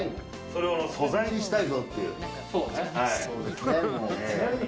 それを素材にしたぞっていう。